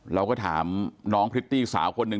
เราก็ถามน้องพริตตี้สาวคนหนึ่ง